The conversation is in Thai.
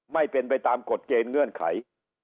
ไม่เป็นไปตามกฎเกณฑ์เงื่อนไข